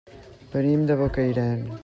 Venim de Bocairent.